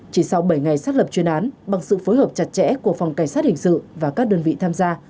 chỉ sau bảy ngày xác lập chuyên án bằng sự phối hợp chặt chẽ của phòng cảnh sát hình sự và các đơn vị tham gia